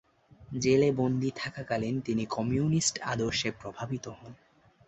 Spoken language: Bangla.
জেলে বন্দী থাকাকালীন তিনি কমিউনিস্ট আদর্শে প্রভাবিত হন।